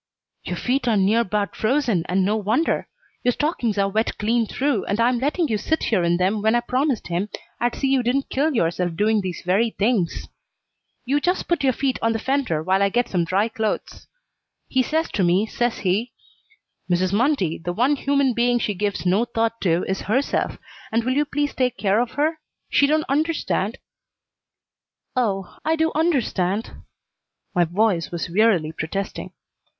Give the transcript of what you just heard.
"Your feet are near 'bout frozen, and no wonder. Your stockings are wet clean through, and I'm letting you sit here in them when I promised him I'd see you didn't kill yourself doing these very things. You just put your feet on the fender while I get some dry clothes. He says to me, says he: 'Mrs. Mundy, the one human being she gives no thought to is herself, and will you please take care of her? She don't understand'" "Oh, I do understand!" My voice was wearily protesting.